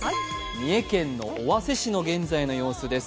三重県の尾鷲市の現在の様子です。